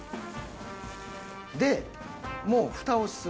でもう蓋をする。